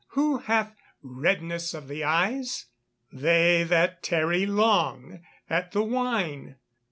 who hath redness of the eyes? They that tarry long at the wine."